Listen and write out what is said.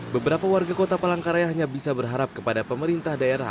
beberapa warga kota palangkaraya hanya bisa berharap kepada pemerintah daerah